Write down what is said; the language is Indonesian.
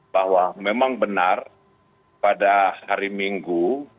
bahwa memang benar pada hari minggu